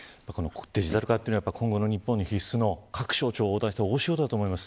デジタル化は今後の日本に必須の、各省庁を横断した大仕事だと思います。